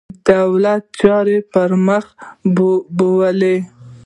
مهمې دولتي چارې پرمخ بیولې.